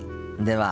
では。